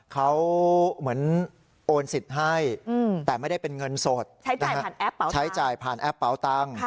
เขาเหมือนโอนสิทธิ์ให้แต่ไม่ได้เป็นเงินสดใช้จ่ายผ่านแอปเป๋าตังค์